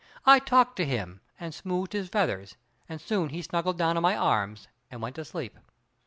I talked to him, and "smoothed his feathers," and soon he snuggled down in my arms and went to sleep.